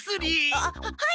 あははい！